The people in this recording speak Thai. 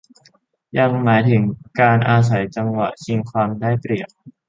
ยังหมายถึงการอาศัยจังหวะชิงความได้เปรียบ